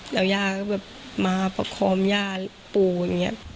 แล้วย่าก็แบบมาประคองย่าปู่อย่างนี้